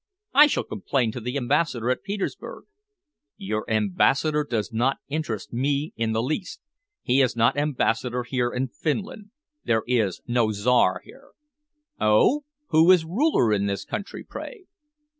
"I shall complain to the Ambassador at Petersburg." "Your Ambassador does not interest me in the least. He is not Ambassador here in Finland. There is no Czar here." "Oh! Who is ruler in this country, pray?"